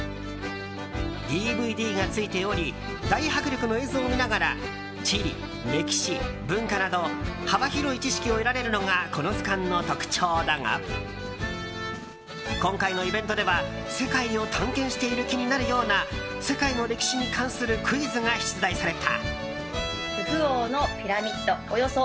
ＤＶＤがついており大迫力の映像を見ながら地理、歴史、文化など幅広い知識を得られるのがこの図鑑の特徴だが今回のイベントでは世界を探検している気になるような世界の歴史に関するクイズが出題された。